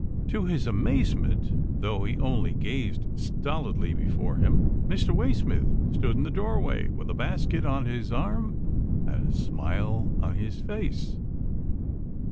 To his amazement, though he only gazed stolidly 98 'TILDA JANE'S ORPHANS before him, Mr. Waysmith stood in the doorway, with a basket on his arm, and a smile on his face.